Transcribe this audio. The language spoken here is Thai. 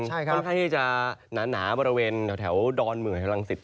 ค่อนข้างที่จะหนาบริเวณแถวดอนเมืองรังสิต